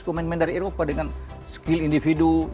pemain pemain dari eropa dengan skill individu